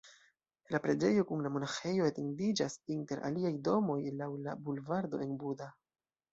La preĝejo kun la monaĥejo etendiĝas inter aliaj domoj laŭ la bulvardo en Buda.